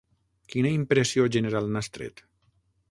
Quina impressió general n'has tret?